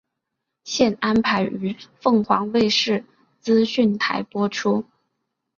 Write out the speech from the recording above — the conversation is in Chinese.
现安排于凤凰卫视资讯台播出。